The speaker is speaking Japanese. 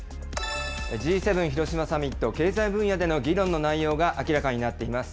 Ｇ７広島サミット、経済分野での議論の内容が明らかになっています。